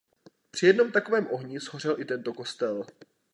Při jednom takovém ohni shořel i tento kostel.